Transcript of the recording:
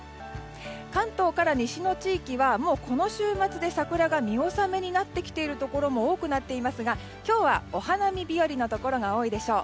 関東から西の地域はこの週末で桜が見納めになってきているところも多くなっていますが今日はお花見日和のところが多いでしょう。